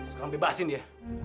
sekarang bebasin dia